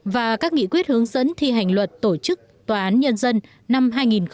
và các nghị quyết hướng dẫn thi hành luật tổ chức tòa án nhân dân năm hai nghìn một mươi bốn